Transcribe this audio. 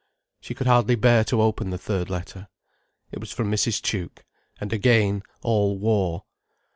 She could hardly bear to open the third letter. It was from Mrs. Tuke, and again, all war.